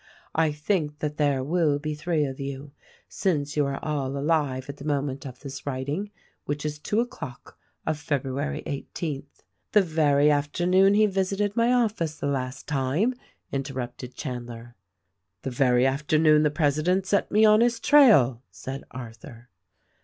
I think that there will be three of you, since you are all alive at the moment of this writing — which is two o'clock of February eighteenth." "The very afternoon he visited my office the last time," interrupted Chandler. "The very afternoon the president set me on his trail," said Arthur.